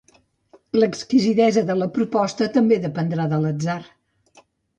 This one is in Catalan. L'exquisidesa de la proposta també dependrà de l'atzar.